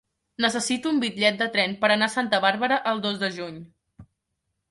Necessito un bitllet de tren per anar a Santa Bàrbara el dos de juny.